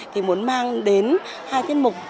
thì muốn mang đến hai tiết mục